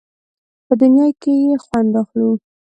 په دنیا کې یې خوند اخلو.